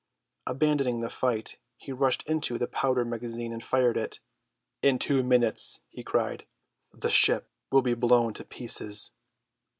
Abandoning the fight he rushed into the powder magazine and fired it. "In two minutes," he cried, "the ship will be blown to pieces."